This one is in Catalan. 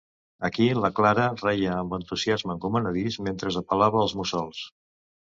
Aquí la Clara reia amb entusiasme encomanadís mentre apel·lava als mussols.